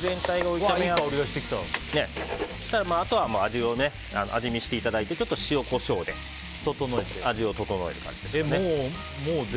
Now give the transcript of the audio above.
全体を炒め合わせてあとは味見していただいてちょっと塩、コショウで味を調える感じです。